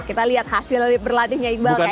kita lihat hasil berlatihnya iqbal kayak gimana